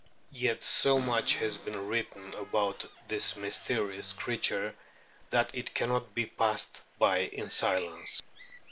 Yet so much has been written about this mysterious creature that it cannot be passed by in silence.